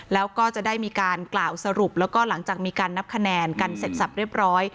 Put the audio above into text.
แล้วก็จะได้มีการกล่าวสรุปแล้วก็หลังจากมีการนับคะแนนกันเสร็จสับเรียบร้อย